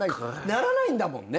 ならないんだもんね。